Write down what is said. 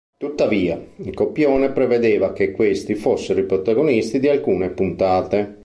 Tuttavia, il copione prevedeva che questi fossero i protagonisti di alcune puntate.